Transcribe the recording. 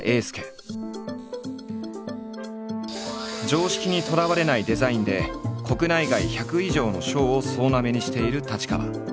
常識にとらわれないデザインで国内外１００以上の賞を総なめにしている太刀川。